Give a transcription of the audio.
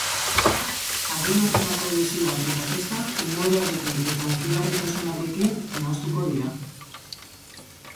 Adin horretako desioak eta kezkak umorearekin eta hunkigarritasunarekin nahastuko dira.